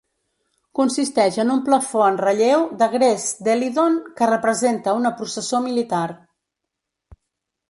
Consisteix en un plafó en relleu de gres d'Helidon que representa una processó militar.